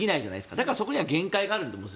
だから、そこには限界があるってことですよ。